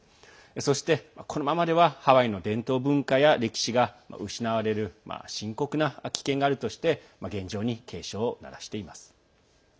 そして、このままではハワイの伝統文化や歴史が失われる深刻な危険があるとして現状に警鐘を鳴らしています。